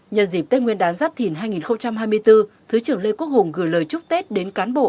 nhân dịp tết nguyên đán giáp thìn hai nghìn hai mươi bốn thứ trưởng lê quốc hùng gửi lời chúc tết đến cán bộ